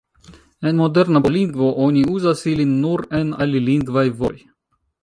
En moderna pola lingvo oni uzas ilin nur en alilingvaj vortoj.